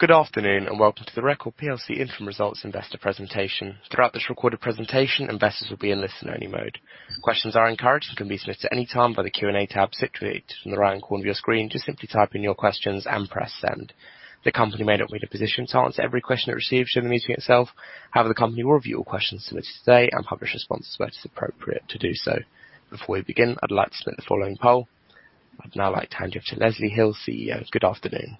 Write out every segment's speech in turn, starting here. Good afternoon, and welcome to the Record plc Interim Results Investor Presentation. Throughout this recorded presentation, investors will be in listen-only mode. Questions are encouraged and can be submitted at any time by the Q&A tab situated in the right-hand corner of your screen. Just simply type in your questions and press Send. The company may not be in a position to answer every question it receives during the meeting itself. However, the company will review all questions submitted today and publish responses where it is appropriate to do so. Before we begin, I'd like to submit the following poll. I'd now like to hand you off to Leslie Hill, CEO. Good afternoon.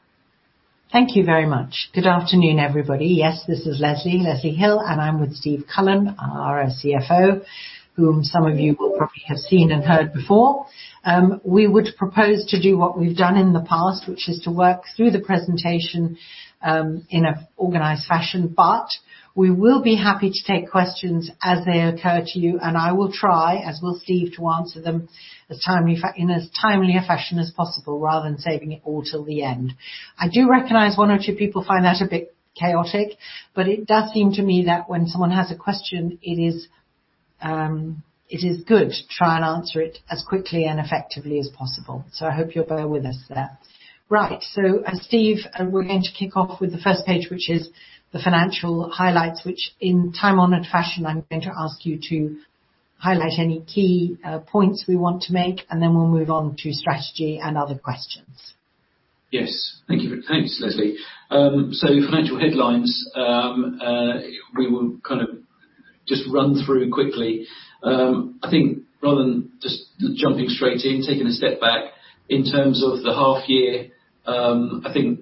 Thank you very much. Good afternoon, everybody. Yes, this is Leslie, Leslie Hill, and I'm with Steve Cullen, our CFO, whom some of you will probably have seen and heard before. We would propose to do what we've done in the past, which is to work through the presentation in an organized fashion, but we will be happy to take questions as they occur to you, and I will try, as will Steve, to answer them in as timely a fashion as possible, rather than saving it all till the end. I do recognize one or two people find that a bit chaotic, but it does seem to me that when someone has a question, it is, it is good to try and answer it as quickly and effectively as possible. So I hope you'll bear with us there. Right. So, Steve, we're going to kick off with the first page, which is the financial highlights, which in time-honored fashion, I'm going to ask you to highlight any key points we want to make, and then we'll move on to strategy and other questions. Yes. Thank you. Thanks, Leslie. So financial headlines, we will kind of just run through quickly. I think rather than just jumping straight in, taking a step back, in terms of the half year, I think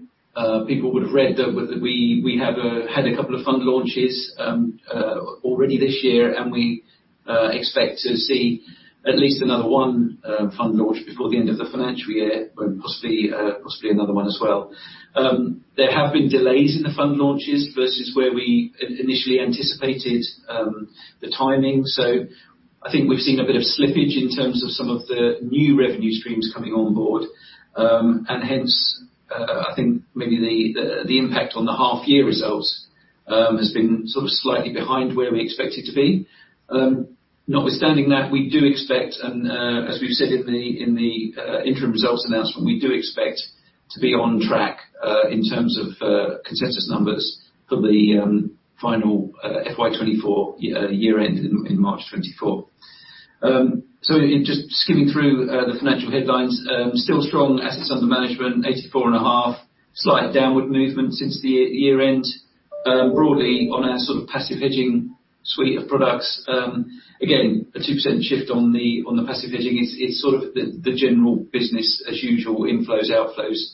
people would have read that we have had a couple of fund launches already this year, and we expect to see at least another one fund launch before the end of the financial year, and possibly another one as well. There have been delays in the fund launches versus where we initially anticipated the timing. So I think we've seen a bit of slippage in terms of some of the new revenue streams coming on board. And hence, I think maybe the impact on the half year results has been sort of slightly behind where we expect it to be. Notwithstanding that, we do expect, and as we've said in the interim results announcement, we do expect to be on track in terms of consensus numbers for the final FY 2024 year end in March 2024. So in just skimming through the financial headlines, still strong assets under management, $84.5 billion. Slight downward movement since the year end. Broadly, on our sort of Passive Hedging suite of products, again, a 2% shift on the Passive Hedging is sort of the general business as usual, inflows, outflows,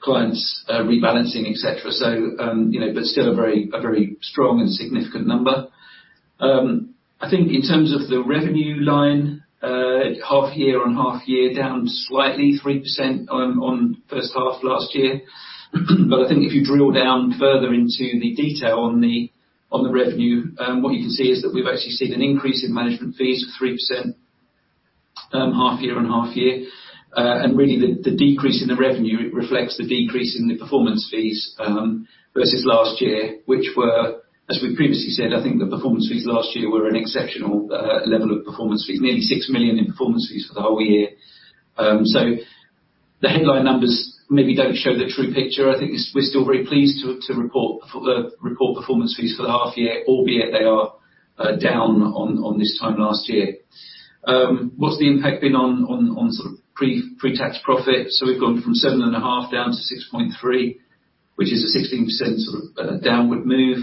clients rebalancing, etc. So, you know, but still a very, a very strong and significant number. I think in terms of the revenue line, half year on half year, down slightly 3% on, on first half last year. But I think if you drill down further into the detail on the, on the revenue, what you can see is that we've actually seen an increase in management fees of 3%, half year on half year. And really, the, the decrease in the revenue, it reflects the decrease in the performance fees, versus last year, which were, as we previously said, I think the performance fees last year were an exceptional, level of performance fees, nearly 6 million in performance fees for the whole year. So the headline numbers maybe don't show the true picture. I think we're still very pleased to report performance fees for the half year, albeit they are down on this time last year. What's the impact been on sort of pre-tax profit? So we've gone from 7.5 million down to 6.3 million, which is a 16% sort of downward move.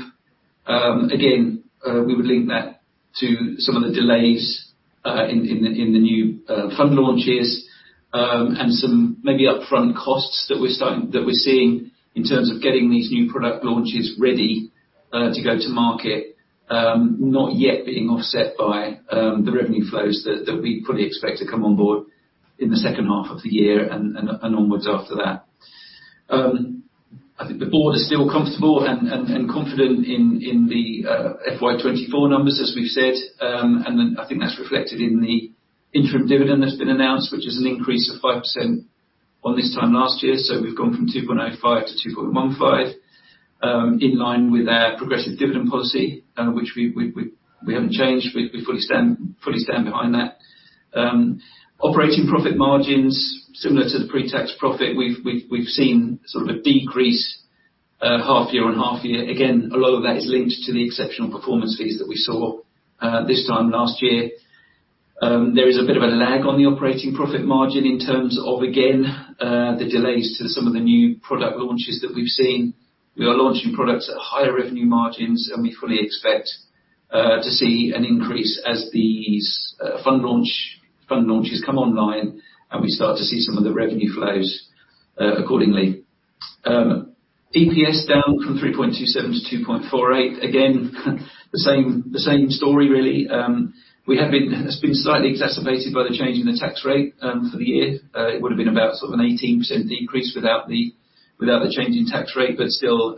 Again, we would link that to some of the delays in the new fund launches and some maybe upfront costs that we're seeing in terms of getting these new product launches ready to go to market, not yet being offset by the revenue flows that we fully expect to come on board in the second half of the year and onwards after that. I think the board is still comfortable and confident in the FY 2024 numbers, as we've said. Then I think that's reflected in the interim dividend that's been announced, which is an increase of 5% on this time last year. So we've gone from 2.85-2.15, in line with our progressive dividend policy, which we haven't changed. We fully stand behind that. Operating profit margins, similar to the pre-tax profit, we've seen sort of a decrease, half year on half year. Again, a lot of that is linked to the exceptional performance fees that we saw, this time last year. There is a bit of a lag on the operating profit margin in terms of, again, the delays to some of the new product launches that we've seen. We are launching products at higher revenue margins, and we fully expect to see an increase as these fund launch, fund launches come online, and we start to see some of the revenue flows accordingly. EPS down from 3.27-2.48. Again, the same, the same story really. It's been slightly exacerbated by the change in the tax rate for the year. It would have been about sort of an 18% decrease without the, without the change in tax rate, but still,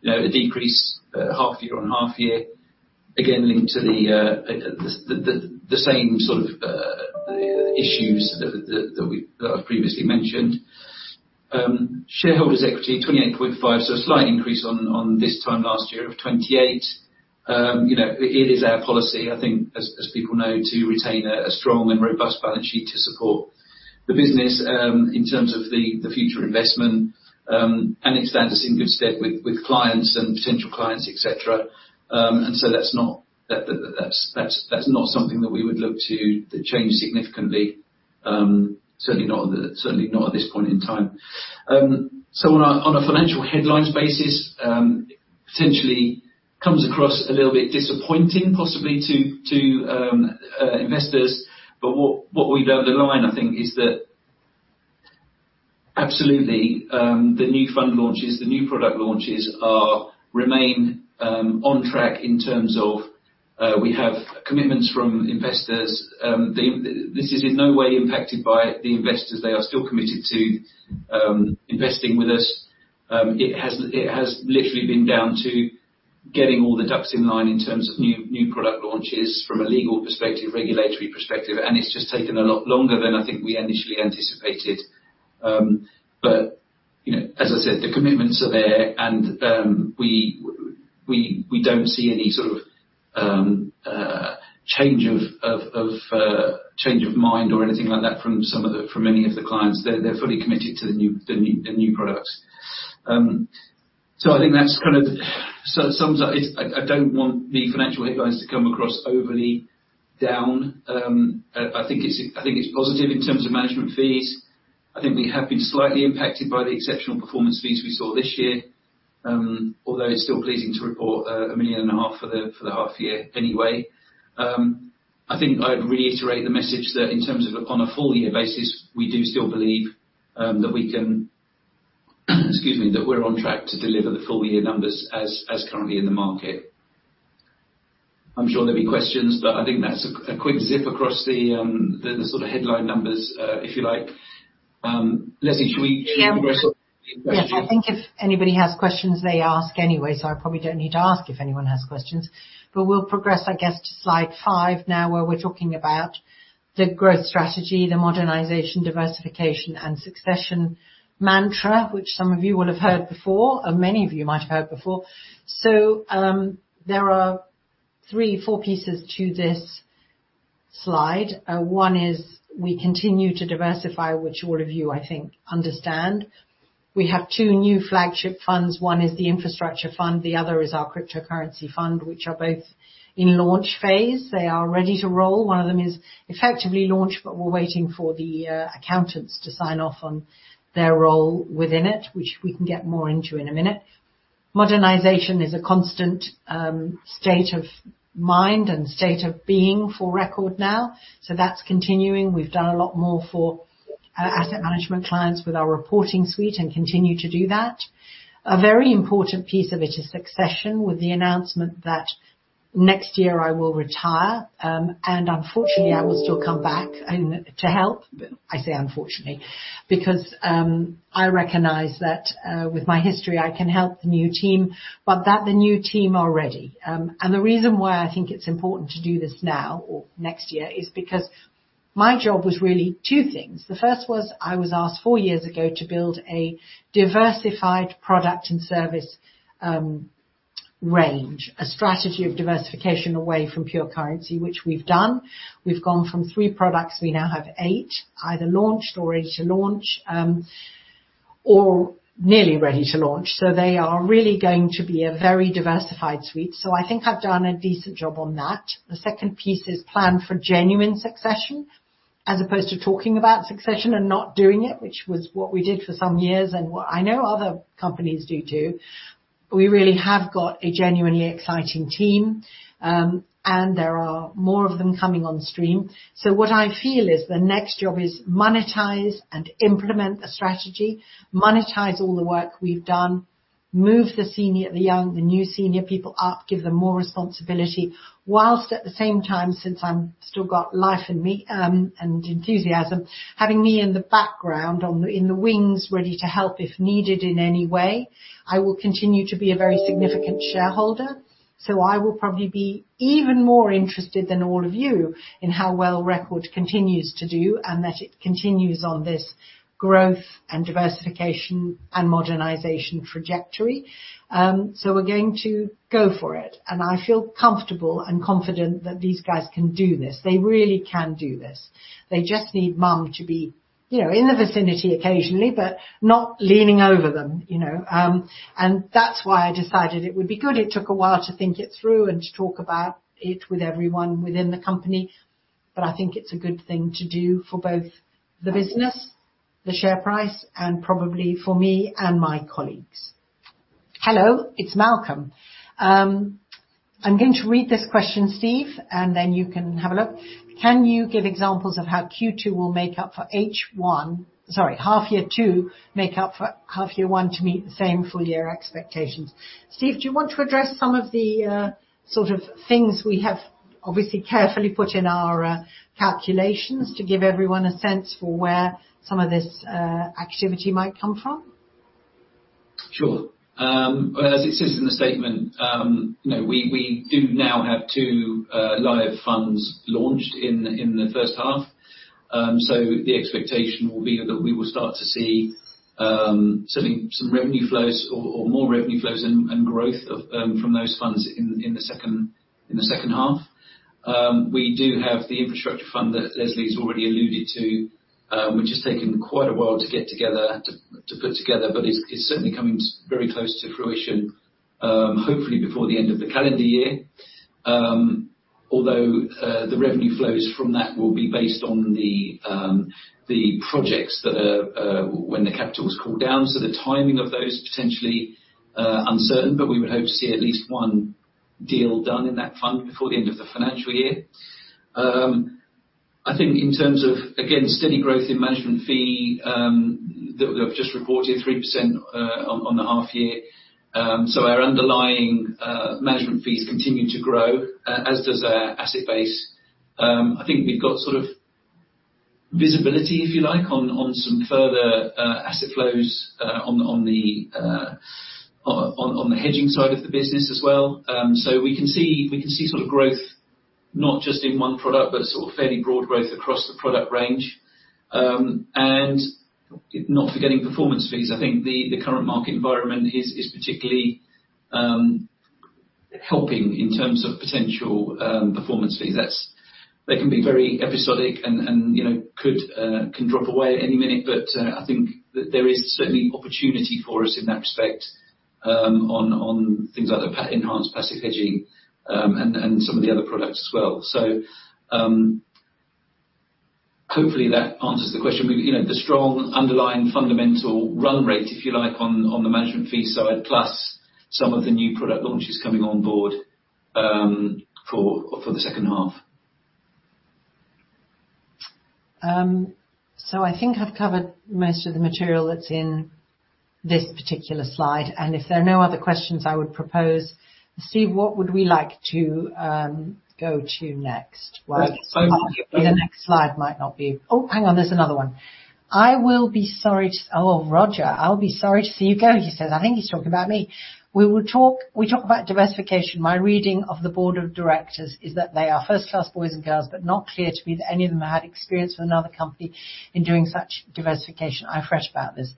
you know, a decrease, half year on half year, again, linked to the, the same sort of issues that I've previously mentioned. Shareholders' equity 28.5, so a slight increase on this time last year of 28. You know, it is our policy, I think, as people know, to retain a strong and robust balance sheet to support the business, in terms of the future investment, and it stands us in good stead with clients and potential clients, etc. And so that's not something that we would look to change significantly, certainly not at this point in time. So on a financial headlines basis, potentially comes across a little bit disappointing, possibly to investors, but what we'd underline, I think, is that absolutely the new fund launches, the new product launches are remain on track in terms of we have commitments from investors. This is in no way impacted by the investors. They are still committed to investing with us. It has literally been down to getting all the ducks in line in terms of new product launches from a legal perspective, regulatory perspective, and it's just taken a lot longer than I think we initially anticipated. But, you know, as I said, the commitments are there, and we don't see any sort of change of mind or anything like that from any of the clients. They're fully committed to the new products. So I think that's kind of, so it sums up. It's. I don't want the financial headlines to come across overly down. I think it's positive in terms of management fees. I think we have been slightly impacted by the exceptional performance fees we saw this year, although it's still pleasing to report 1.5 million for the half year anyway. I think I'd reiterate the message that in terms of on a full year basis, we do still believe, excuse me, that we're on track to deliver the full year numbers as currently in the market. I'm sure there'll be questions, but I think that's a quick zip across the sort of headline numbers, if you like. Leslie, should we- Yeah. Progress on to the questions? Yes. I think if anybody has questions, they ask anyway, so I probably don't need to ask if anyone has questions, but we'll progress, I guess, to slide five now, where we're talking about the growth strategy, the modernization, diversification, and succession mantra, which some of you will have heard before, or many of you might have heard before. So, there are three, four pieces to this slide. One is we continue to diversify, which all of you, I think, understand. We have two new flagship funds. One is the Infrastructure Fund, the other is our cryptocurrency fund, which are both in launch phase. They are ready to roll. One of them is effectively launched, but we're waiting for the accountants to sign off on their role within it, which we can get more into in a minute. Modernization is a constant state of mind and state of being for Record now, so that's continuing. We've done a lot more for asset management clients with our reporting suite and continue to do that. A very important piece of it is succession, with the announcement that next year I will retire, and unfortunately, I will still come back to help. I say unfortunately, because I recognize that with my history, I can help the new team, but that the new team are ready. And the reason why I think it's important to do this now or next year is because my job was really two things. The first was, I was asked 4 years ago to build a diversified product and service range, a strategy of diversification away from pure currency, which we've done. We've gone from three products, we now have eight, either launched or ready to launch, or nearly ready to launch. They are really going to be a very diversified suite. I think I've done a decent job on that. The second piece is plan for genuine succession, as opposed to talking about succession and not doing it, which was what we did for some years, and what I know other companies do, too. We really have got a genuinely exciting team, and there are more of them coming on stream. What I feel is the next job is monetize and implement the strategy, monetize all the work we've done, move the senior, the young, the new senior people up, give them more responsibility, while at the same time, since I've still got life in me, and enthusiasm, having me in the background on the. In the wings, ready to help if needed in any way. I will continue to be a very significant shareholder, so I will probably be even more interested than all of you in how well Record continues to do, and that it continues on this growth and diversification and modernization trajectory. We're going to go for it, and I feel comfortable and confident that these guys can do this. They really can do this. They just need mom to be, you know, in the vicinity occasionally, but not leaning over them, you know? That's why I decided it would be good. It took a while to think it through and to talk about it with everyone within the company, but I think it's a good thing to do for both the business, the share price, and probably for me and my colleagues. Hello, it's Malcolm. I'm going to read this question, Steve, and then you can have a look. Can you give examples of how Q2 will make up for H1- sorry, half year two, make up for half year one to meet the same full year expectations? Steve, do you want to address some of the, sort of things we have obviously carefully put in our, calculations to give everyone a sense for where some of this, activity might come from? Sure. As it says in the statement, you know, we do now have two live funds launched in the first half. So the expectation will be that we will start to see certainly some revenue flows or more revenue flows and growth from those funds in the second half. We do have the Infrastructure Fund that Leslie has already alluded to, which has taken quite a while to get together, to put together, but is certainly coming very close to fruition, hopefully before the end of the calendar year. Although the revenue flows from that will be based on the projects that are when the capital is called down. So the timing of those potentially uncertain, but we would hope to see at least one deal done in that fund before the end of the financial year. I think in terms of, again, steady growth in management fee that we have just reported 3% on the half year. So our underlying management fees continue to grow as does our asset base. I think we've got sort of visibility, if you like, on some further asset flows on the hedging side of the business as well. So we can see sort of growth, not just in one product, but sort of fairly broad growth across the product range. And not forgetting performance fees. I think the current market environment is particularly helping in terms of potential performance fees. That's— They can be very episodic and, you know, can drop away any minute, but I think that there is certainly opportunity for us in that respect, on things like the Enhanced Passive Hedging and some of the other products as well. So, hopefully, that answers the question. But, you know, the strong underlying fundamental run rate, if you like, on the management fee side, plus some of the new product launches coming on board, for the second half. So, I think I've covered most of the material that's in this particular slide, and if there are no other questions, I would propose. Steve, what would we like to go to next? Well, so- The next slide might not be... Oh, hang on, there's another one. "I will be sorry to." Oh, Roger. "I'll be sorry to see you go," he says. I think he's talking about me. "We will talk... We talk about diversification. My reading of the board of directors is that they are first-class boys and girls, but not clear to me that any of them have had experience with another company in doing such diversification. I fret about this."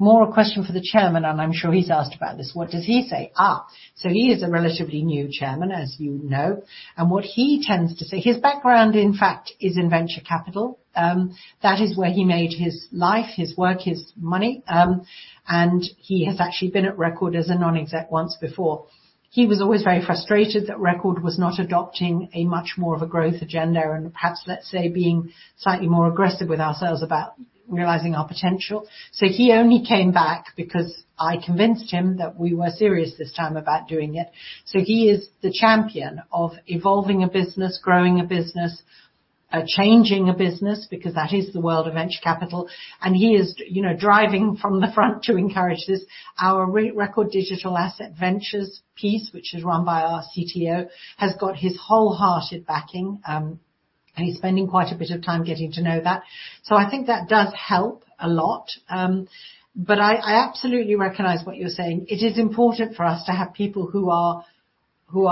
More a question for the chairman, and I'm sure he's asked about this. What does he say? Ah, so he is a relatively new chairman, as you know, and what he tends to say... His background, in fact, is in venture capital. That is where he made his life, his work, his money, and he has actually been at Record as a non-exec once before. He was always very frustrated that Record was not adopting a much more of a growth agenda and perhaps, let's say, being slightly more aggressive with ourselves about realizing our potential. So he only came back because I convinced him that we were serious this time about doing it. So he is the champion of evolving a business, growing a business, changing a business, because that is the world of venture capital, and he is, you know, driving from the front to encourage this. Our re-- Record Digital Asset Ventures piece, which is run by our CTO, has got his wholehearted backing, and he's spending quite a bit of time getting to know that. So I think that does help a lot, but I, I absolutely recognize what you're saying. It is important for us to have people who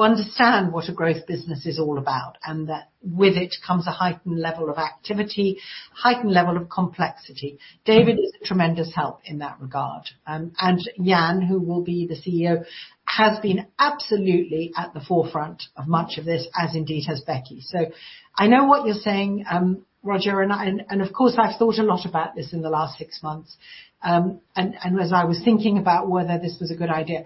understand what a growth business is all about, and that with it comes a heightened level of activity, heightened level of complexity. David is a tremendous help in that regard. And Jan, who will be the CEO, has been absolutely at the forefront of much of this, as indeed has Becky. So I know what you're saying, Roger, and of course, I've thought a lot about this in the last six months. As I was thinking about whether this was a good idea,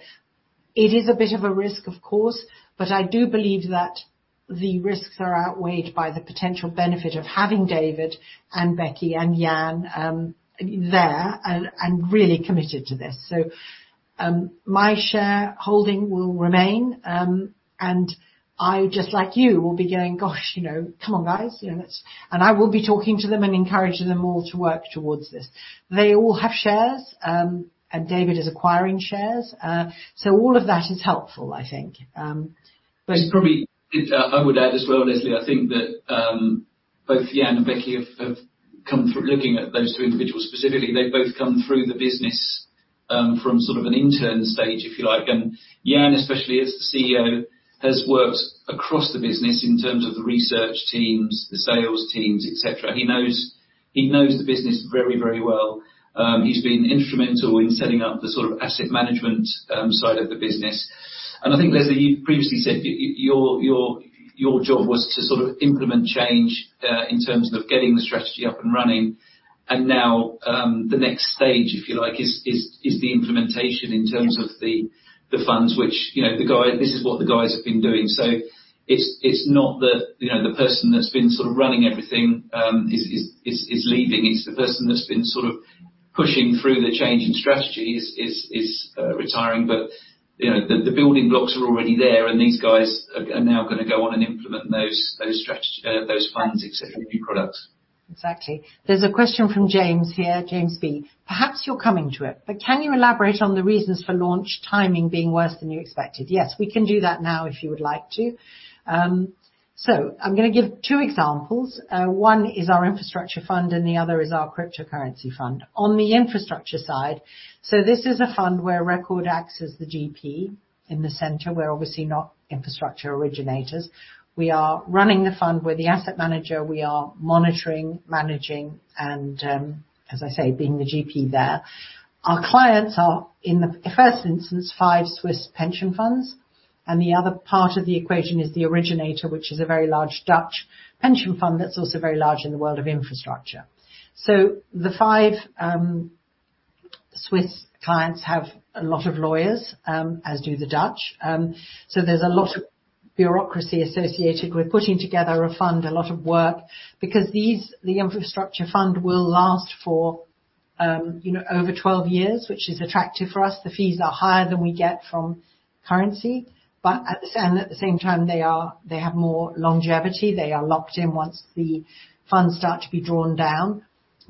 it is a bit of a risk, of course, but I do believe that the risks are outweighed by the potential benefit of having David, and Becky, and Jan, there and really committed to this. So, my shareholding will remain, and I, just like you, will be going, "Gosh, you know, come on, guys, you know, let's..." And I will be talking to them and encouraging them all to work towards this. They all have shares, and David is acquiring shares, so all of that is helpful, I think. But probably, it, I would add as well, Leslie, I think that both Jan and Becky have come through. Looking at those two individuals specifically, they've both come through the business from sort of an intern stage, if you like. And Jan, especially as the CEO, has worked across the business in terms of the research teams, the sales teams, et cetera. He knows, he knows the business very, very well. He's been instrumental in setting up the sort of asset management side of the business. And I think, Leslie, you've previously said your job was to sort of implement change in terms of getting the strategy up and running. And now, the next stage, if you like, is the implementation in terms of the funds, which, you know, the guy-- This is what the guys have been doing. So it's not that, you know, the person that's been sort of running everything is leaving. It's the person that's been sort of pushing through the change in strategy is retiring, but, you know, the building blocks are already there, and these guys are now gonna go on and implement those plans, etc, new products. Exactly. There's a question from James here, James B. "Perhaps you're coming to it, but can you elaborate on the reasons for launch timing being worse than you expected?" Yes, we can do that now if you would like to. So I'm gonna give two examples. One is our Infrastructure Fund and the other is our cryptocurrency fund. On the infrastructure side, so this is a fund where Record acts as the GP in the center. We're obviously not infrastructure originators. We are running the fund. We're the asset manager. We are monitoring, managing, and, as I say, being the GP there. Our clients are, in the first instance, five Swiss pension funds... and the other part of the equation is the originator, which is a very large Dutch pension fund, that's also very large in the world of infrastructure. So the five Swiss clients have a lot of lawyers, as do the Dutch. So there's a lot of bureaucracy associated with putting together a fund, a lot of work, because the Infrastructure Fund will last for, you know, over 12 years, which is attractive for us. The fees are higher than we get from currency, but at the same, at the same time, they are—they have more longevity. They are locked in once the funds start to be drawn down.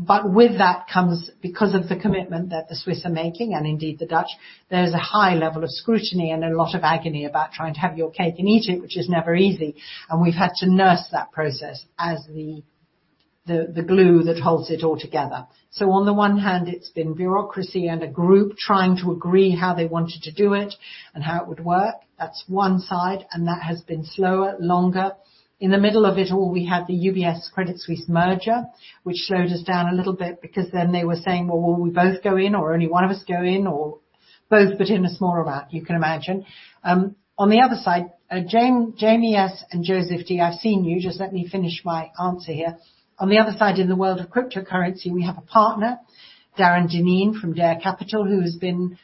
But with that comes, because of the commitment that the Swiss are making, and indeed the Dutch, there's a high level of scrutiny and a lot of agony about trying to have your cake and eat it, which is never easy, and we've had to nurse that process as the glue that holds it all together. So on the one hand, it's been bureaucracy and a group trying to agree how they wanted to do it and how it would work. That's one side, and that has been slower, longer. In the middle of it all, we had the UBS Credit Suisse merger, which slowed us down a little bit because then they were saying, "Well, will we both go in, or only one of us go in, or both, but in a smaller amount?" You can imagine. On the other side, James, Jamie S. and Joseph D, I've seen you. Just let me finish my answer here. On the other side, in the world of cryptocurrency, we have a partner, Darren Dineen from Dare Capital, who has been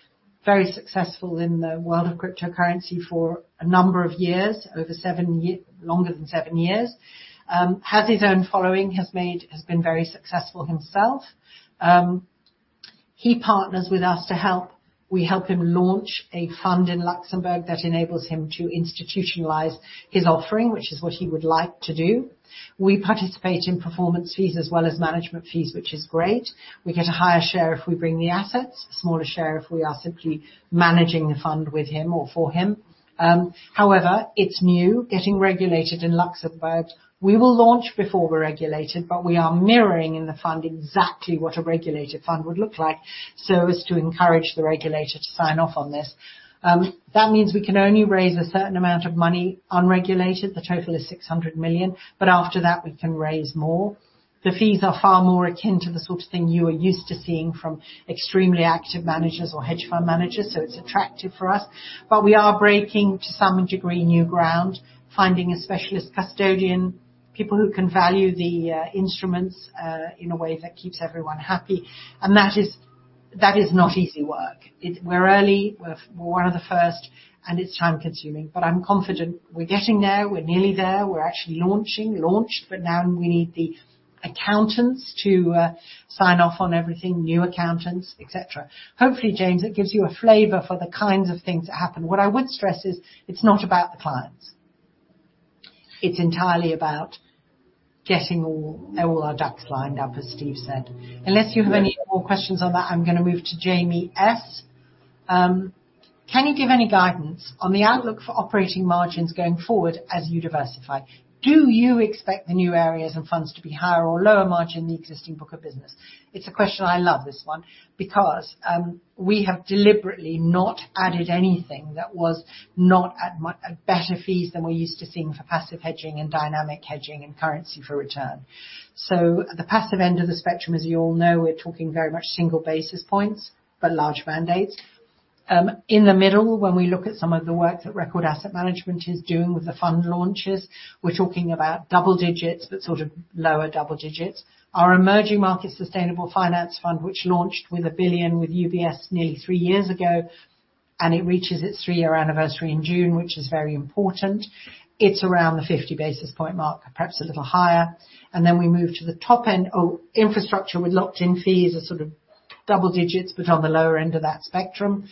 very successful in the world of cryptocurrency for a number of years, over seven years. Longer than seven years. Has his own following, has been very successful himself. He partners with us to help. We help him launch a fund in Luxembourg that enables him to institutionalize his offering, which is what he would like to do. We participate in performance fees as well as management fees, which is great. We get a higher share if we bring the assets, a smaller share if we are simply managing the fund with him or for him. However, it's new, getting regulated in Luxembourg. We will launch before we're regulated, but we are mirroring in the fund exactly what a regulated fund would look like, so as to encourage the regulator to sign off on this. That means we can only raise a certain amount of money unregulated. The total is 600 million, but after that, we can raise more. The fees are far more akin to the sort of thing you are used to seeing from extremely active managers or hedge fund managers, so it's attractive for us. But we are breaking, to some degree, new ground, finding a specialist custodian, people who can value the instruments in a way that keeps everyone happy. And that is, that is not easy work. It. We're early, we're one of the first, and it's time-consuming, but I'm confident we're getting there. We're nearly there. We're actually launching. We launched, but now we need the accountants to sign off on everything, new accountants, et cetera. Hopefully, James, it gives you a flavor for the kinds of things that happen. What I would stress is, it's not about the clients. It's entirely about getting all our ducks lined up, as Steve said. Unless you have any more questions on that, I'm gonna move to Jamie S. "Can you give any guidance on the outlook for operating margins going forward as you diversify? Do you expect the new areas and funds to be higher or lower margin than the existing book of business?" It's a question I love, this one, because we have deliberately not added anything that was not at better fees than we're used to seeing for Passive Hedging and Dynamic Hedging and Currency for Return. So at the passive end of the spectrum, as you all know, we're talking very much single basis points, but large mandates. In the middle, when we look at some of the work that Record Asset Management is doing with the fund launches, we're talking about double digits, but sort of lower double digits. Our Emerging Market Sustainable Finance Fund, which launched with $1 billion with UBS nearly three years ago, and it reaches its three-year anniversary in June, which is very important. It's around the 50 basis point mark, perhaps a little higher. Then we move to the top end. Infrastructure with locked-in fees are sort of double digits, but on the lower end of that spectrum.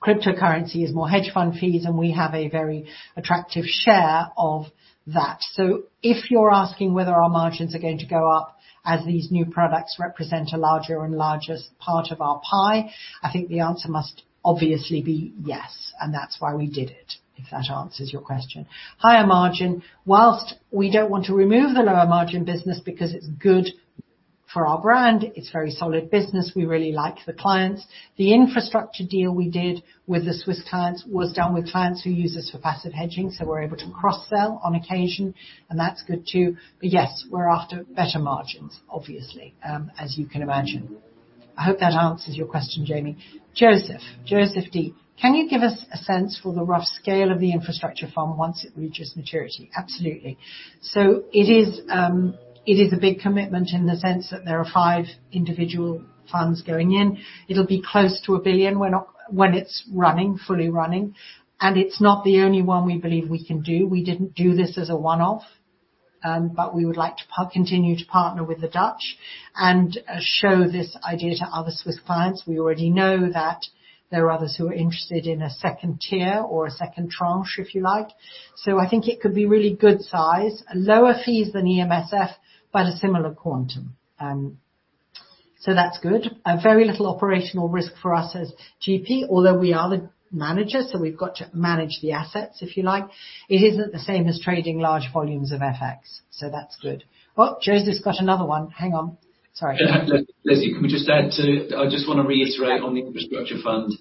Cryptocurrency is more hedge fund fees, and we have a very attractive share of that. So if you're asking whether our margins are going to go up as these new products represent a larger and larger part of our pie, I think the answer must obviously be yes, and that's why we did it, if that answers your question. Higher margin. While we don't want to remove the lower margin business because it's good for our brand, it's very solid business, we really like the clients. The infrastructure deal we did with the Swiss clients was done with clients who use us for Passive Hedging, so we're able to cross-sell on occasion, and that's good, too. But yes, we're after better margins, obviously, as you can imagine. I hope that answers your question, Jamie. Joseph. Joseph D: "Can you give us a sense for the rough scale of the infrastructure fund once it reaches maturity?" Absolutely. So it is, it is a big commitment in the sense that there are five individual funds going in. It'll be close to $1 billion when it's running, fully running, and it's not the only one we believe we can do. We didn't do this as a one-off, but we would like to continue to partner with the Dutch and show this idea to other Swiss clients. We already know that there are others who are interested in a second tier or a second tranche, if you like. So I think it could be really good size. Lower fees than EMSF, but a similar quantum. So that's good. And very little operational risk for us as GP, although we are the managers, so we've got to manage the assets, if you like. It isn't the same as trading large volumes of FX, so that's good. Oh, Joseph's got another one. Hang on. Sorry. Leslie, can we just add, too? I just want to reiterate on the Infrastructure Fund.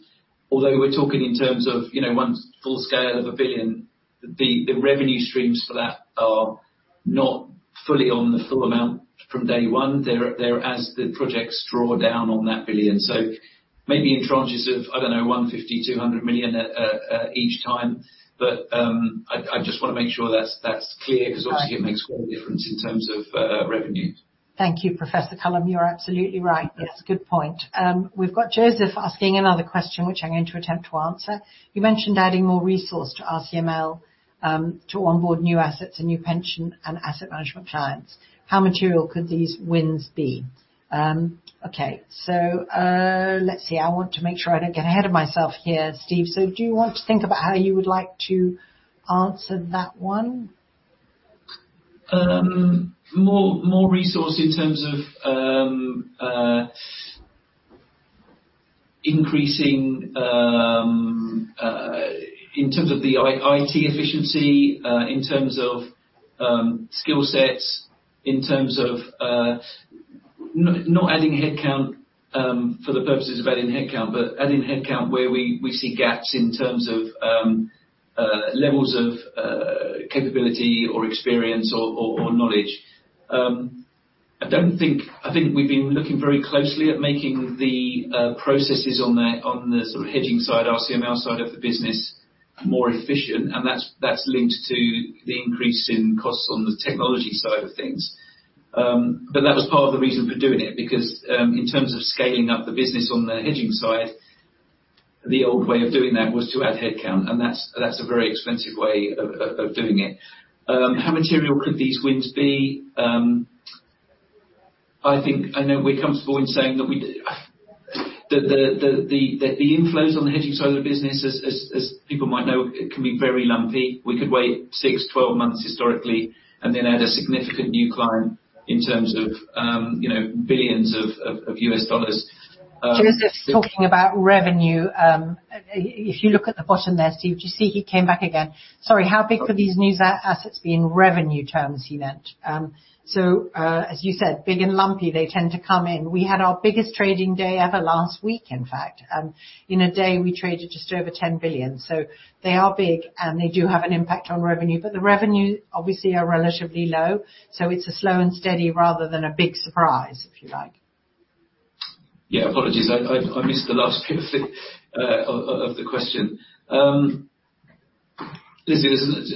Although we're talking in terms of, you know, 1 full scale of 1 billion, the revenue streams for that are not fully on the full amount from day one. They're as the projects draw down on that 1 billion. So maybe in tranches of, I don't know, 150 million, 200 million, each time. But, I just want to make sure that's clear because obviously, it makes quite a difference in terms of revenue. Thank you, Professor Cullen. You're absolutely right. Yes, good point. We've got Joseph asking another question, which I'm going to attempt to answer. You mentioned adding more resource to RCML, to onboard new assets and new pension and asset management clients. How material could these wins be? Okay, so, let's see. I want to make sure I don't get ahead of myself here, Steve. So do you want to think about how you would like to answer that one? More resource in terms of increasing in terms of the IT efficiency, in terms of skill sets, in terms of not adding headcount for the purposes of adding headcount, but adding headcount where we see gaps in terms of levels of capability or experience or knowledge. I don't think, I think we've been looking very closely at making the processes on the sort of hedging side, RCML side of the business, more efficient, and that's linked to the increase in costs on the technology side of things. But that was part of the reason for doing it, because, in terms of scaling up the business on the hedging side, the old way of doing that was to add headcount, and that's a very expensive way of doing it. How material could these wins be? I think I know we're comfortable in saying that the inflows on the hedging side of the business, as people might know, it can be very lumpy. We could wait six, 12 months historically and then add a significant new client in terms of, you know, billions of U.S. dollars. Joseph's talking about revenue. If you look at the bottom there, Steve, do you see he came back again? Sorry, how big could these new assets be in revenue terms, he meant. So, as you said, big and lumpy, they tend to come in. We had our biggest trading day ever last week, in fact. In a day, we traded just over $10 billion. So they are big, and they do have an impact on revenue, but the revenue obviously are relatively low, so it's a slow and steady rather than a big surprise, if you like. Yeah, apologies. I missed the last bit of the question. Listen, this is...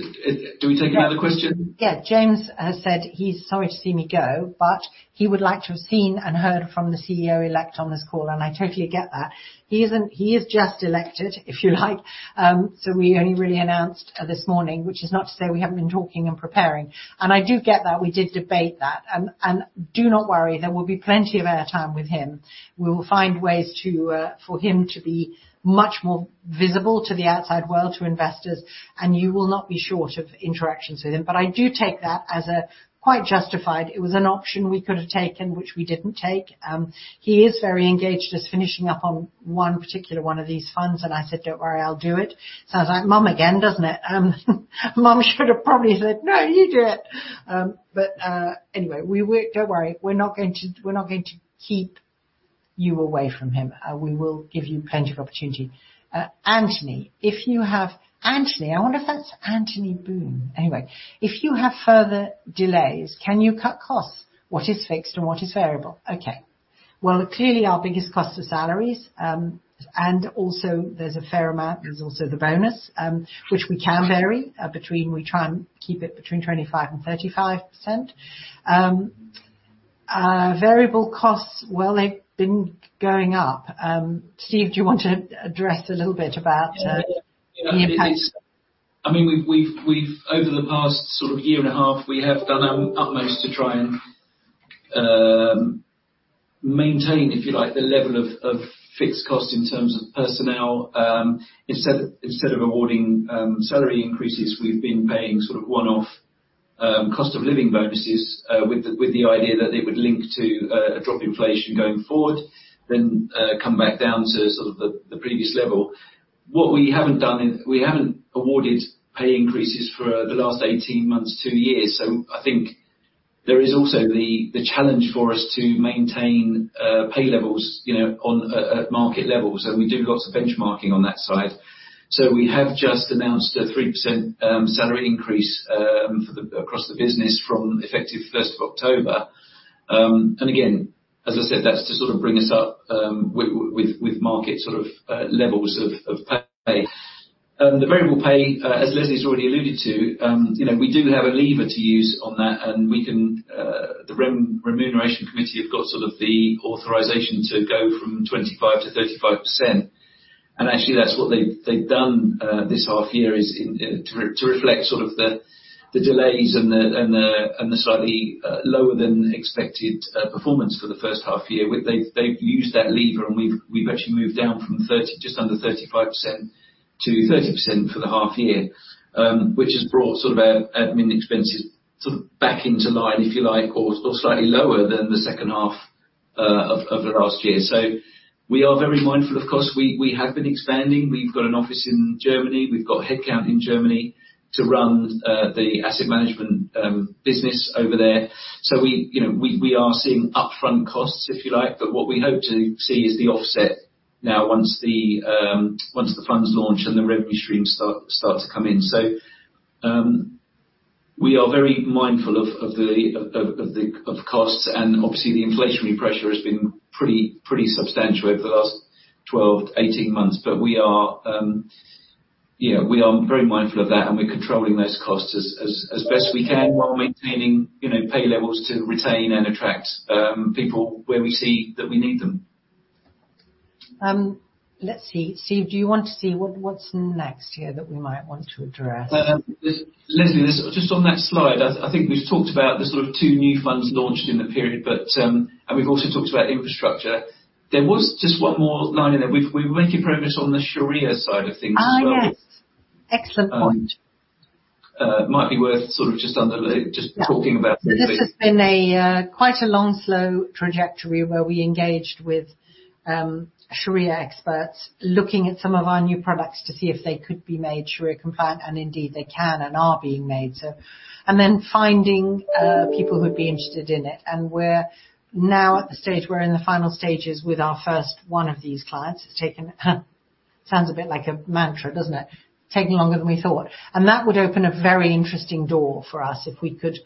Do we take another question? Yeah. James has said he's sorry to see me go, but he would like to have seen and heard from the CEO-elect on this call, and I totally get that. He isn't—He is just elected, if you like. So we only really announced this morning, which is not to say we haven't been talking and preparing. And I do get that. We did debate that. And, and do not worry, there will be plenty of airtime with him. We will find ways to for him to be much more visible to the outside world, to investors, and you will not be short of interactions with him. But I do take that as a quite justified. It was an option we could have taken, which we didn't take. He is very engaged, just finishing up on one particular one of these funds, and I said, "Don't worry, I'll do it." Sounds like, "Mom again," doesn't it? "Mom should have probably said, 'No, you do it.'" But anyway, we will... Don't worry, we're not going to keep you away from him. We will give you plenty of opportunity. Anthony, if you have-- Anthony, I wonder if that's Anthony Boone. Anyway, if you have further delays, can you cut costs? What is fixed and what is variable? Okay, well, clearly our biggest cost is salaries, and also there's a fair amount, there's also the bonus, which we can vary, between we try and keep it between 25% and 35%. Variable costs, well, they've been going up. Steve, do you want to address a little bit about, the impact? I mean, we've over the past sort of year and a half, we have done our utmost to try and maintain, if you like, the level of fixed costs in terms of personnel. Instead of awarding salary increases, we've been paying sort of one-off cost of living bonuses, with the idea that it would link to a drop inflation going forward, then come back down to sort of the previous level. What we haven't done is we haven't awarded pay increases for the last 18 months, 2 years. So I think there is also the challenge for us to maintain pay levels, you know, on at market level. So we do lots of benchmarking on that side. So we have just announced a 3%, salary increase, for the, across the business from effective first of October. And again, as I said, that's to sort of bring us up, with market sort of, levels of pay. The variable pay, as Leslie's already alluded to, you know, we do have a lever to use on that, and we can, the remuneration committee have got sort of the authorization to go from 25%-35%. And actually, that's what they've done, this half year, is to reflect sort of the, the delays and the slightly, lower than expected, performance for the first half year. They've used that lever, and we've actually moved down from 30%, just under 35%-30% for the half year. Which has brought sort of our admin expenses sort of back into line, if you like, or slightly lower than the second half of the last year. So we are very mindful, of course. We have been expanding. We've got an office in Germany. We've got headcount in Germany to run the asset management business over there. So we, you know, we are seeing upfront costs, if you like, but what we hope to see is the offset now, once the funds launch and the revenue stream start to come in. So, we are very mindful of the costs, and obviously the inflationary pressure has been pretty substantial over the last 12-18 months. But we are, you know, we are very mindful of that, and we're controlling those costs as best we can while maintaining, you know, pay levels to retain and attract people where we see that we need them. Let's see. Steve, do you want to see what's next here that we might want to address? Leslie, just on that slide, I think we've talked about the sort of two new funds launched in the period, but and we've also talked about infrastructure. There was just one more line in there. We're making progress on the Sharia side of things as well. Ah, yes. Excellent point. Might be worth sort of just underlay- Yeah. Just talking about it. This has been a quite long, slow trajectory where we engaged with Sharia experts, looking at some of our new products to see if they could be made Sharia compliant, and indeed, they can and are being made so. Then finding people who would be interested in it. We're now at the stage; we're in the final stages with our first one of these clients. It's taken, sounds a bit like a mantra, doesn't it, taking longer than we thought. That would open a very interesting door for us if we could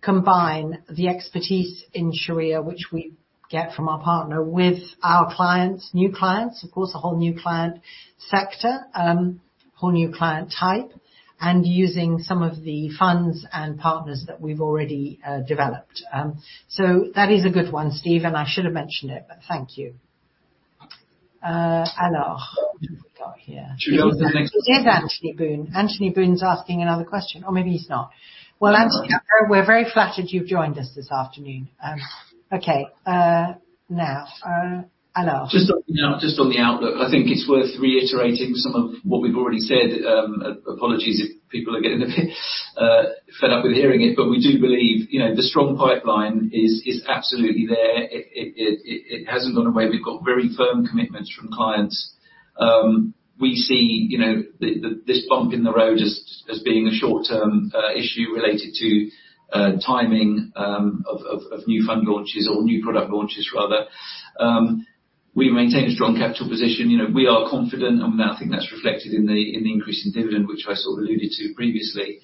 combine the expertise in Sharia, which we get from our partner, with our clients, new clients, of course, a whole new client sector, whole new client type, and using some of the funds and partners that we've already developed. So that is a good one, Steve, and I should have mentioned it, but thank you. And who have we got here? Should we go to the next- It is Anthony Boone. Anthony Boone is asking another question. Or maybe he's not. Well, Anthony, we're very flattered you've joined us this afternoon. Just on the outlook, I think it's worth reiterating some of what we've already said. Apologies if people are getting a bit fed up with hearing it, but we do believe, you know, the strong pipeline is absolutely there. It hasn't gone away. We've got very firm commitments from clients. We see, you know, this bump in the road as being a short-term issue related to timing of new fund launches or new product launches, rather. We maintain a strong capital position. You know, we are confident, and I think that's reflected in the increase in dividend, which I sort of alluded to previously.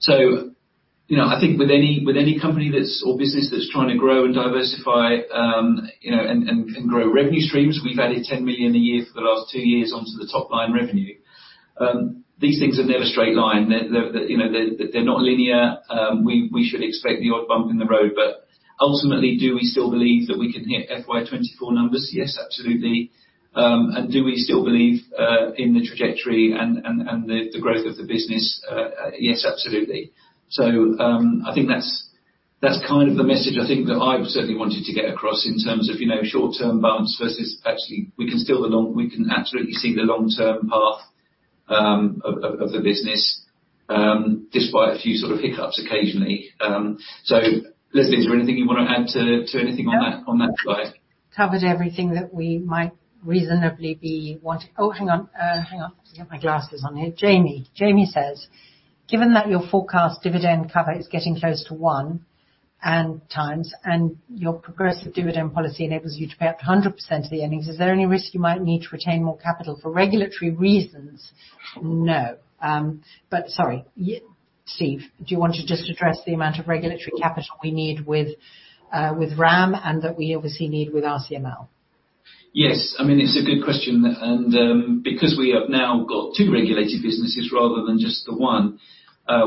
So, you know, I think with any company that's, or business that's trying to grow and diversify, you know, and grow revenue streams, we've added 10 million a year for the last two years onto the top-line revenue. These things are never straight line. They're not linear. We should expect the odd bump in the road, but ultimately, do we still believe that we can hit FY 2024 numbers? Yes, absolutely. And do we still believe in the trajectory and the growth of the business? Yes, absolutely. So, I think that's kind of the message I think that I certainly wanted to get across in terms of, you know, short-term balance versus actually, we can absolutely see the long-term path of the business, despite a few sort of hiccups occasionally. So, Leslie, is there anything you want to add to anything on that? No. On that slide? Covered everything that we might reasonably be wanting. Let me get my glasses on here. Jamie says: "Given that your forecast dividend cover is getting close to 1 times, and your progressive dividend policy enables you to pay up to 100% of the earnings, is there any risk you might need to retain more capital for regulatory reasons?" No. But sorry, Steve, do you want to just address the amount of regulatory capital we need with RAM and that we obviously need with RCML? Yes. I mean, it's a good question, and, because we have now got two regulated businesses rather than just the one,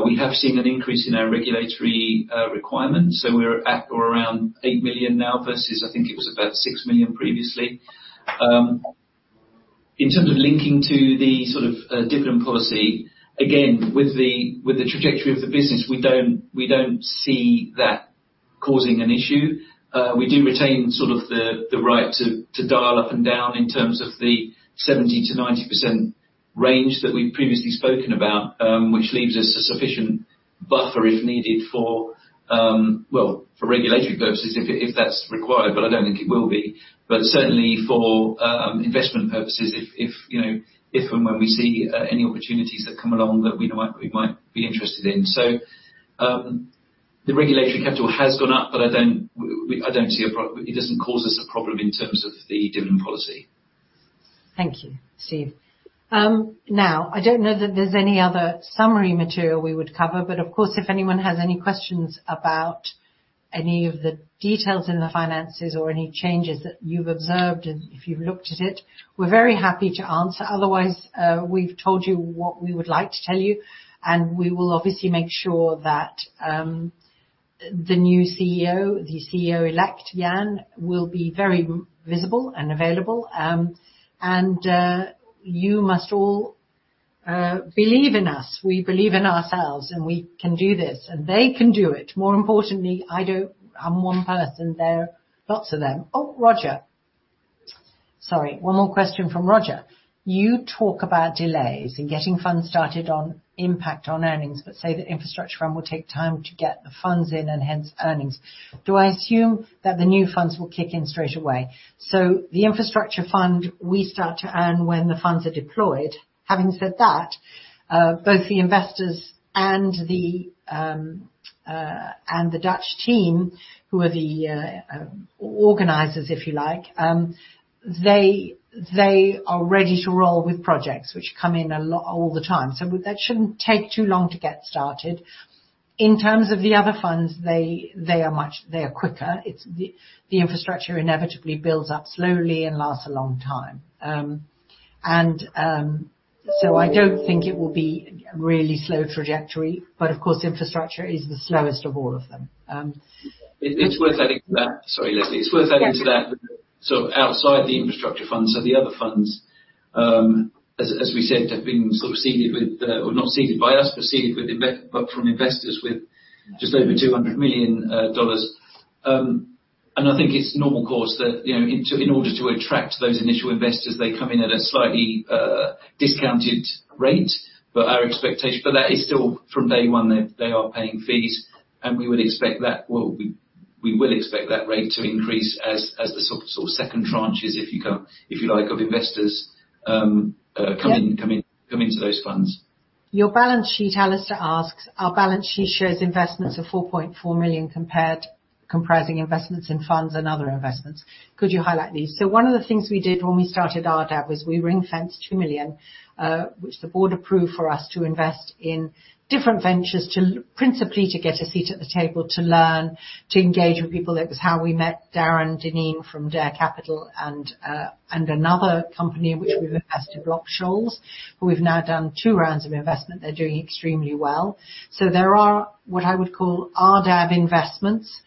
we have seen an increase in our regulatory, requirements, so we're at or around 8 million now versus I think it was about 6 million previously. In terms of linking to the sort of, dividend policy, again, with the, with the trajectory of the business, we don't, we don't see that causing an issue. We do retain sort of the, the right to, to dial up and down in terms of the 70%-90% range that we've previously spoken about, which leaves us a sufficient buffer if needed for, well, for regulatory purposes, if, if that's required, but I don't think it will be. But certainly for investment purposes, if you know if and when we see any opportunities that come along that we might be interested in. So, the regulatory capital has gone up, but it doesn't cause us a problem in terms of the dividend policy. Thank you, Steve. Now, I don't know that there's any other summary material we would cover, but of course, if anyone has any questions about any of the details in the finances or any changes that you've observed, if you've looked at it, we're very happy to answer. Otherwise, we've told you what we would like to tell you, and we will obviously make sure that the new CEO, the CEO-elect, Jan, will be very visible and available. And you must all believe in us. We believe in ourselves, and we can do this, and they can do it. More importantly, I don't... I'm one person, there are lots of them. Oh, Roger. Sorry, one more question from Roger: "You talk about delays in getting funds started on impact on earnings, but say the infrastructure fund will take time to get the funds in and hence earnings. Do I assume that the new funds will kick in straight away?" So the infrastructure fund, we start to earn when the funds are deployed. Having said that, both the investors and the Dutch team who are the organizers, if you like, they are ready to roll with projects which come in a lot all the time, so that shouldn't take too long to get started. In terms of the other funds, they are much quicker. It's the infrastructure inevitably builds up slowly and lasts a long time. So, I don't think it will be a really slow trajectory, but of course, infrastructure is the slowest of all of them. It's worth adding to that. Sorry, Leslie. It's worth adding to that. Yeah. So outside the Infrastructure Fund, so the other funds, as we said, have been sort of seeded with, or not seeded by us, but from investors with just over $200 million. And I think it's normal course that, you know, in order to attract those initial investors, they come in at a slightly discounted rate. But our expectation... But that is still from day one, they are paying fees, and we would expect that, well, we will expect that rate to increase as the sort of second tranches, if you can, if you like, of investors come in, come into those funds. Your balance sheet, Alistair asks, "Our balance sheet shows investments of 4.4 million compared, comprising investments in funds and other investments. Could you highlight these?" So one of the things we did when we started RDAV was we ring-fenced 2 million, which the board approved for us to invest in different ventures, principally, to get a seat at the table, to learn, to engage with people. That was how we met Darren Dineen from Dare Capital and another company in which we've invested, Block Scholes, who we've now done two rounds of investment. They're doing extremely well. So there are, what I would call RDAV investments,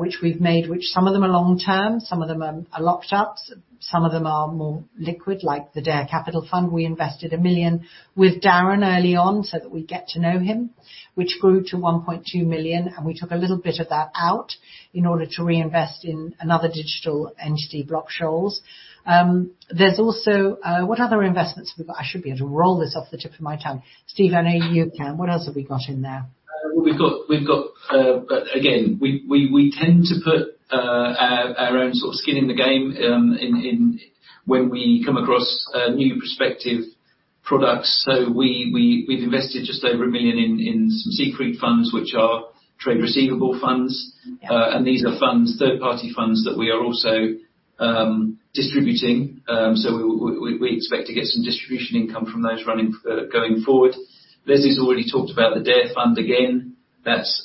which we've made, which some of them are long term, some of them are locked up, some of them are more liquid, like the Dare Capital Fund. We invested $1 million with Darren early on, so that we get to know him, which grew to $1.2 million, and we took a little bit of that out in order to reinvest in another digital entity, Block Scholes. There's also. What other investments we've got? I should be able to roll this off the tip of my tongue. Steve, I know you can. What else have we got in there? We've got, again, we tend to put our own sort of skin in the game when we come across new prospective products. So we've invested just over 1 million in some Secret funds, which are trade receivable funds. Yeah. And these are funds, third-party funds, that we are also distributing. So we expect to get some distribution income from those running going forward. Leslie's already talked about the Dare Fund. Again, that's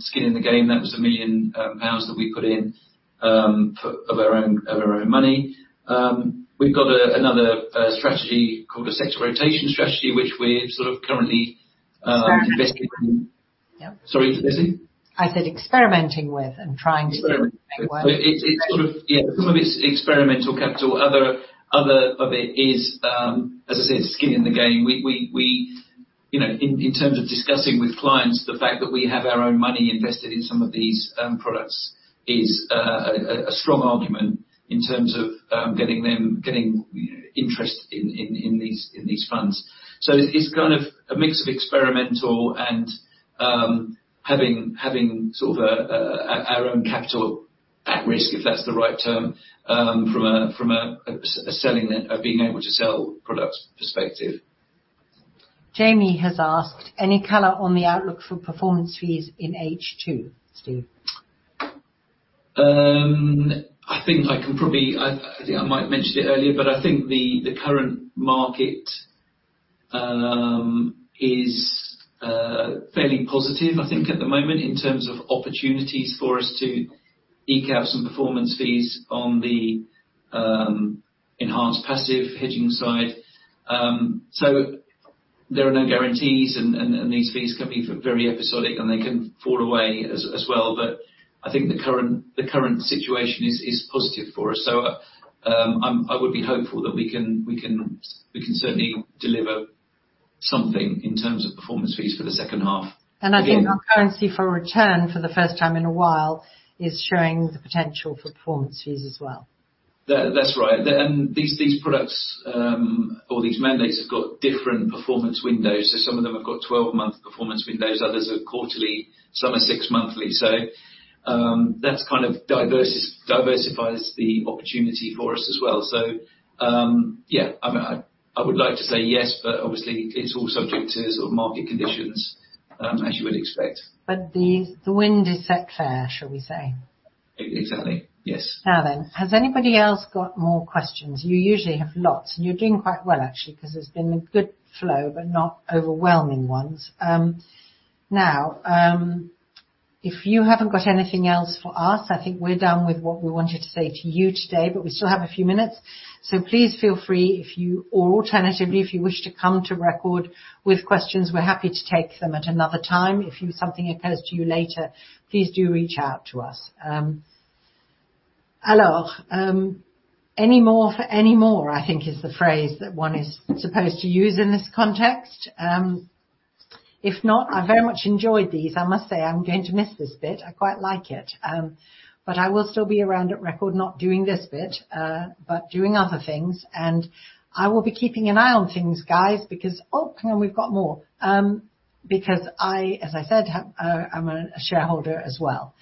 skin in the game. That was 1 million pounds that we put in for of our own of our own money. We've got another strategy called the Sector Rotation Strategy, which we're sort of currently investing in. Yeah. Sorry, Leslie? I said, experimenting with and trying to make work. It's sort of, yeah, some of it's experimental capital. Other of it is, as I said, skin in the game. We, you know, in terms of discussing with clients, the fact that we have our own money invested in some of these products is a strong argument in terms of getting them interest in these funds. So it's kind of a mix of experimental and having sort of a our own capital at risk, if that's the right term, from a selling it being able to sell products perspective. Jamie has asked, "Any color on the outlook for performance fees in H2, Steve? I think I can probably—I think I might have mentioned it earlier, but I think the current market is fairly positive, I think, at the moment, in terms of opportunities for us to eke out some performance fees on the Enhanced Passive Hedging side. So there are no guarantees, and these fees can be very episodic, and they can fall away as well. But I think the current situation is positive for us, so I would be hopeful that we can certainly deliver something in terms of performance fees for the second half. I think our Currency for Return, for the first time in a while, is showing the potential for Performance Fees as well. That, that's right. And these products or these mandates have got different performance windows. So some of them have got 12-month performance windows, others are quarterly, some are 6-monthly. So that's kind of diversifies the opportunity for us as well. So yeah, I mean, I would like to say yes, but obviously it's all subject to sort of market conditions as you would expect. But the wind is set fair, shall we say? Exactly. Yes. Now then, has anybody else got more questions? You usually have lots, and you're doing quite well, actually, 'cause there's been a good flow, but not overwhelming ones. Now, if you haven't got anything else for us, I think we're done with what we wanted to say to you today, but we still have a few minutes, so please feel free if you... Or alternatively, if you wish to come to Record with questions, we're happy to take them at another time. If you, something occurs to you later, please do reach out to us. Alors, any more for any more, I think is the phrase that one is supposed to use in this context. If not, I very much enjoyed these. I must say, I'm going to miss this bit. I quite like it. But I will still be around at Record, not doing this bit, but doing other things. And I will be keeping an eye on things, guys, because... Oh, hang on, we've got more. Because I, as I said, I'm a shareholder as well.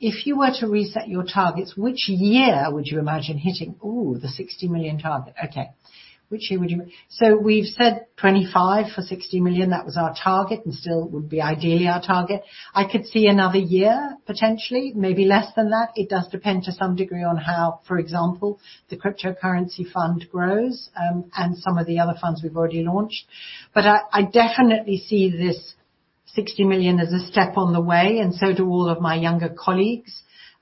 If you were to reset your targets, which year would you imagine hitting, ooh, the 60 million target? Okay. Which year would you- so we've said 2025 for 60 million. That was our target and still would be ideally our target. I could see another year, potentially, maybe less than that. It does depend to some degree on how, for example, the cryptocurrency fund grows, and some of the other funds we've already launched. But I definitely see this 60 million as a step on the way, and so do all of my younger colleagues.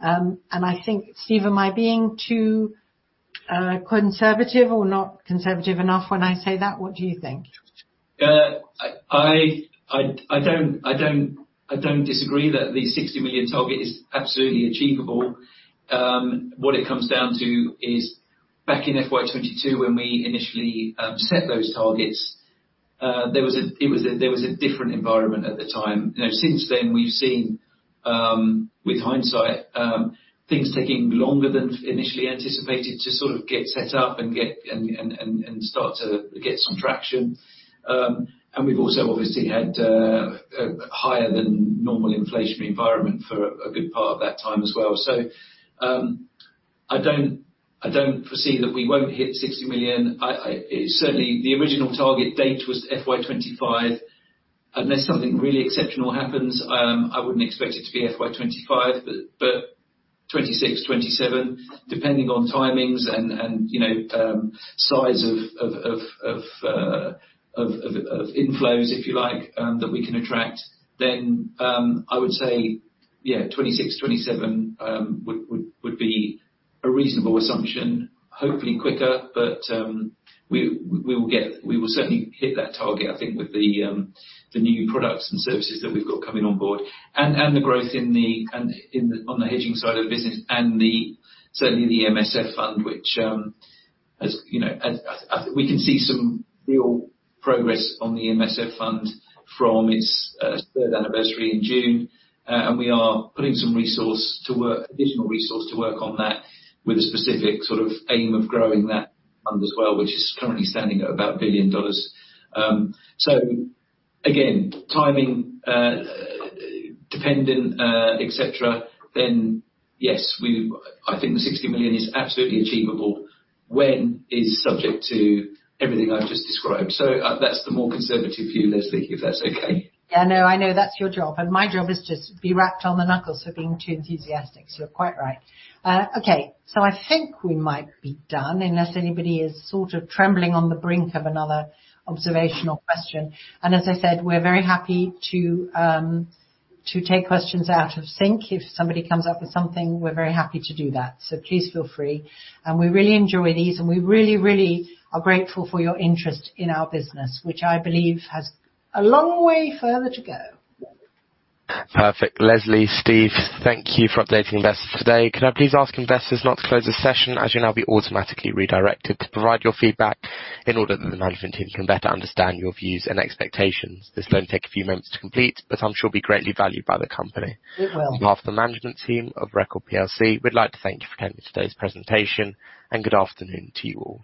I think, Steve, am I being too conservative or not conservative enough when I say that? What do you think? I don't disagree that the 60 million target is absolutely achievable. What it comes down to is back in FY 2022, when we initially set those targets, there was a different environment at the time. You know, since then, we've seen, with hindsight, things taking longer than initially anticipated to sort of get set up and get and start to get some traction. And we've also obviously had a higher than normal inflationary environment for a good part of that time as well. So, I don't foresee that we won't hit 60 million. I certainly, the original target date was FY 2025. Unless something really exceptional happens, I wouldn't expect it to be FY 2025, but 2026, 2027, depending on timings and, you know, size of inflows, if you like, that we can attract, then I would say, yeah, 2026, 2027 would be a reasonable assumption, hopefully quicker. But we will get. We will certainly hit that target, I think, with the new products and services that we've got coming on board and the growth in the on the hedging side of the business and certainly the EMSF Fund, which, as you know, we can see some real progress on the EMSF Fund from its 3rd anniversary in June. And we are putting some resource to work, additional resource to work on that, with a specific sort of aim of growing that fund as well, which is currently standing at about $1 billion. So again, timing, dependent, et cetera, then, yes, we, I think the 60 million is absolutely achievable. When is subject to everything I've just described. So, that's the more conservative view, Leslie, if that's okay. Yeah, I know, I know. That's your job, and my job is just to be wrapped on the knuckles for being too enthusiastic. So you're quite right. Okay, so I think we might be done, unless anybody is sort of trembling on the brink of another observational question. And as I said, we're very happy to take questions out of sync. If somebody comes up with something, we're very happy to do that. So please feel free. And we really enjoy these, and we really, really are grateful for your interest in our business, which I believe has a long way further to go. Perfect. Leslie, Steve, thank you for updating investors today. Can I please ask investors not to close this session, as you'll now be automatically redirected to provide your feedback in order that the management team can better understand your views and expectations. This will only take a few moments to complete, but I'm sure will be greatly valued by the company. It will. On behalf of the management team of Record plc, we'd like to thank you for attending today's presentation, and good afternoon to you all.